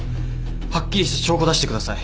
はっきりした証拠出してください。